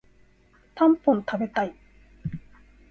たんぽん食べたい